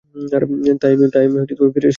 তাই ফিরে এসেছি।